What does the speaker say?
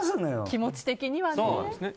気持ち的にはね。